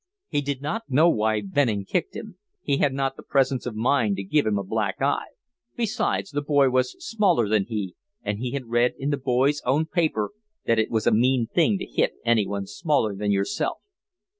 He did not know why Venning kicked him. He had not the presence of mind to give him a black eye. Besides, the boy was smaller than he, and he had read in The Boy's Own Paper that it was a mean thing to hit anyone smaller than yourself.